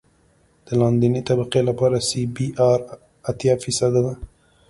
د لاندنۍ طبقې لپاره سی بي ار اتیا فیصده دی